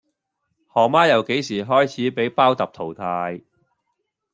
何媽由幾時開始俾包揼淘汰?